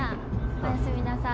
おやすみなさい。